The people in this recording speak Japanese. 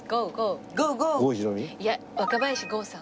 いや若林豪さん。